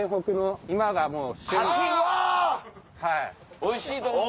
おいしいと思う。